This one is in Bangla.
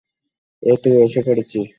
এইতো এসে পড়েছি।